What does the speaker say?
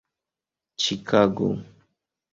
ĉikago